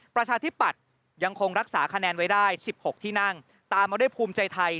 ประชาธิปัตย์ยังคงรักษาคะแนนไว้ได้๑๖ที่นั่งตามมาด้วยภูมิใจไทย